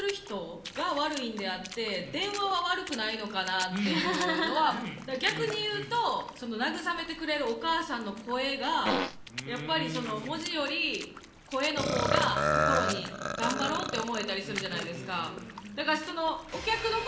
ちょっといろいろお話聞かしてもらってだから逆に言うとその慰めてくれるお母さんの声がやっぱりその文字より声の方が心に頑張ろうって思えたりするじゃないですか。